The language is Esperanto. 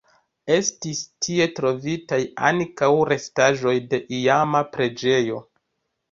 Estis tie trovitaj ankaŭ restaĵoj de iama preĝejo.